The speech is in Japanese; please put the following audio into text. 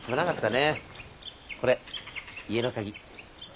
これ家の鍵。